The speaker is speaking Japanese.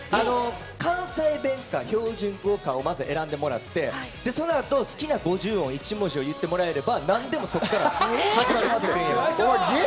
関西弁か標準語かをまず選んでもらって、そのあと好きな五十音、１文字を言ってもらえれば、何でもそこから。